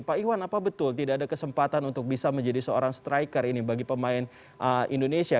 pak iwan apa betul tidak ada kesempatan untuk bisa menjadi seorang striker ini bagi pemain indonesia